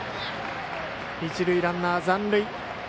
一塁ランナー、残塁。